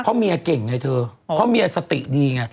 เพราะเมียเก่งไงเธอเพราะเมียสติดีไง